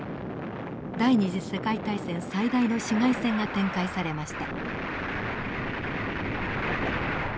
第二次世界大戦最大の市街戦が展開されました。